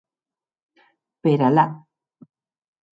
Per Allà!